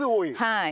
はい。